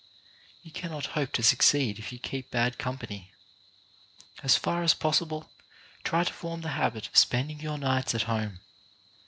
You cannot hope to succeed if you keep bad company. As far as possible try to form the habit of spend ing your nights at home.